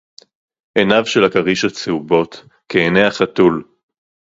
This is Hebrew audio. עֵינָיו שֶׁל הַכָּרִישׁ הַצְּהֻובּוֹת כְּעֵינֵי הֶחָתוּל